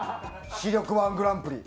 視力‐１グランプリ。